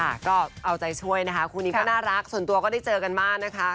ค่ะก็เอาใจช่วยนะคะคู่นี้ก็น่ารักส่วนตัวก็ได้เจอกันมากนะคะ